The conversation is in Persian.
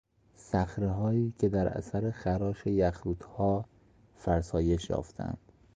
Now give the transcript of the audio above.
صخرههایی که در اثر خراش یخرودها فرسایش یافتهاند